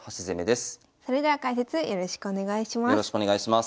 それでは解説よろしくお願いします。